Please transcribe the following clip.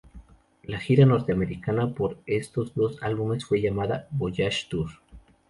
La gira norteamericana por estos dos álbumes fue llamada "Voyage Tour".